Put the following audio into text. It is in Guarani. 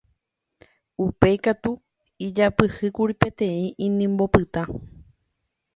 Upéi katu ijapyhýkuri peteĩ inimbo pytã.